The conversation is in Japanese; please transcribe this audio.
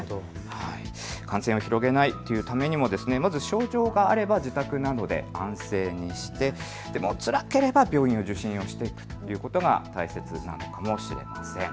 感染を広げないというためにもまず症状があれば自宅などで安静にしてでもつらければ病院を受診していくということが大切かもしれません。